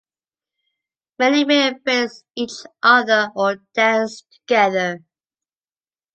Many men embrace each other or dance together.